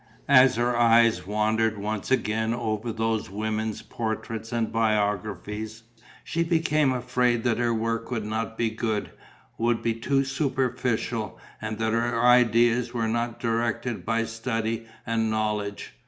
As her eyes wandered once again over those women's portraits and biographies, she became afraid that her work would not be good, would be too superficial, and that her ideas were not directed by study and knowledge.